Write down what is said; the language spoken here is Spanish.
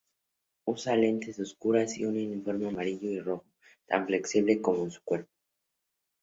Usa lentes oscuros y un uniforme amarillo y rojo, tan flexible como su cuerpo.